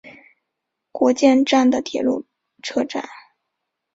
国见站的铁路车站。